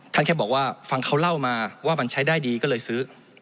แค่บอกว่าฟังเขาเล่ามาว่ามันใช้ได้ดีก็เลยซื้อ